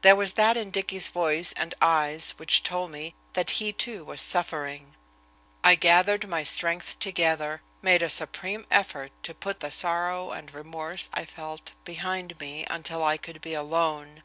There was that in Dicky's voice and eyes which told me that he, too, was suffering. I gathered my strength together, made a supreme effort to put the sorrow and remorse I felt behind me until I could be alone.